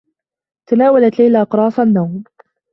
تناولت ليلى أقراص النّوم.